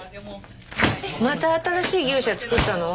また新しい牛舎造ったの？